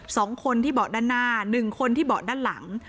สองคนที่เบาะด้านหน้าหนึ่งคนที่เบาะด้านหลัง